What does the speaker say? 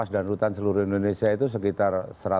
dan hutan seluruh indonesia itu sekitar